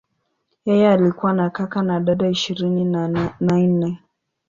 Yeye alikuwa na kaka na dada ishirini na nne.